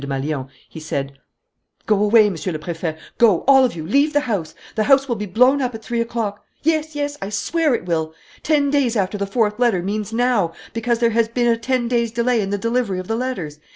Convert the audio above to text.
Desmalions, he said: "Go away, Monsieur le Préfet! Go, all of you; leave the house. The house will be blown up at three o'clock. Yes, yes, I swear it will. Ten days after the fourth letter means now, because there has been a ten days' delay in the delivery of the letters.